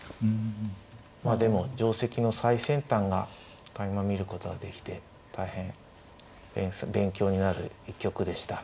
まあでも定跡の最先端がかいま見ることができて大変勉強になる一局でした。